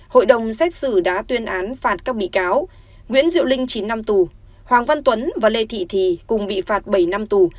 hội đồng xét xử đã tuyên án phạt các bị cáo nguyễn diệu linh chín năm tù hoàng văn tuấn và lê thị thì cùng bị phạt bảy năm tù